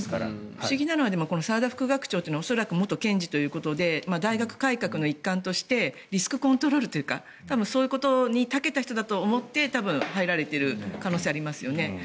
不思議なのは澤田副学長というのは恐らく元検事ということで大学改革の一環としてリスクコントロールというかそういうことに長けた人だと思って入られている可能性はありますよね。